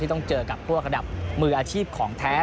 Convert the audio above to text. ต้องเจอกับพวกระดับมืออาชีพของแท้